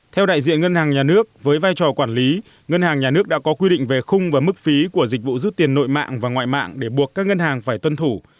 theo đại diện ngân hàng nhà nước với vai trò quản lý ngân hàng nhà nước đã có quy định về khung và mức phí của dịch vụ rút tiền nội mạng và ngoại mạng để buộc các ngân hàng phải tuân thủ